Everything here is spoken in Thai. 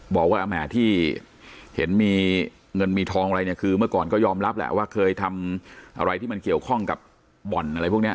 บอกว่าแหมที่เห็นมีเงินมีทองอะไรเนี่ยคือเมื่อก่อนก็ยอมรับแหละว่าเคยทำอะไรที่มันเกี่ยวข้องกับบ่อนอะไรพวกนี้